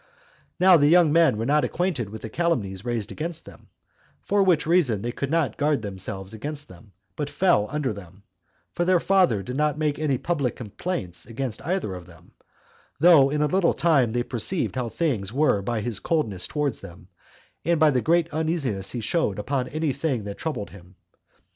Now the young men were not acquainted with the calumnies raised against them; for which reason they could not guard themselves against them, but fell under them; for their father did not make any public complaints against either of them; though in a little time they perceived how things were by his coldness to them, and by the great uneasiness he showed upon any thing that troubled him.